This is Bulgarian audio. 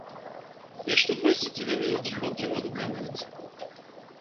Нещо двайсетина минути ход има до Каменица.